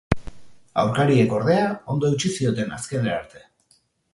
Aurkariek, ordea, ondo eutsi zioten azkenera arte.